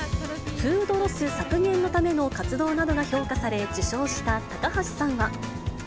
フードロス削減のための活動などが評価され、受賞した高橋さんは。